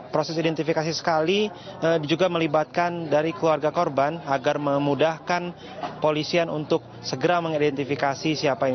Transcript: proses identifikasi sekali juga melibatkan dari keluarga korban agar memudahkan polisian untuk segera mengidentifikasi siapa ini